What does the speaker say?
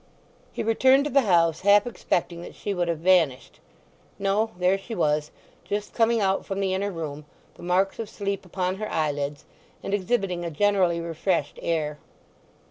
He returned to the house half expecting that she would have vanished. No; there she was—just coming out from the inner room, the marks of sleep upon her eyelids, and exhibiting a generally refreshed air.